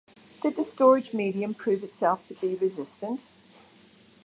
Did the storage medium prove itself to be resistant?